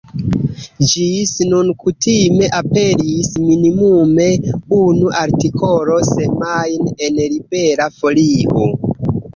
Ĝis nun kutime aperis minimume unu artikolo semajne en Libera Folio.